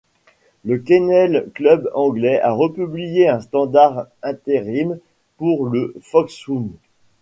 Le Kennel Club anglais a republié un standard intérim pour le foxhound.